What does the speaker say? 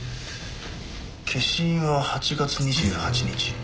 消印は８月２８日。